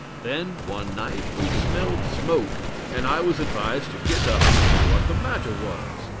Then one night we smelled smoke, and I was advised to get up and see what the matter was.